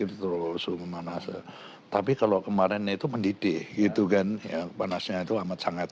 itu terus sungguh mana tapi kalau kemarin itu mendidih itu kan yang panasnya itu amat sangat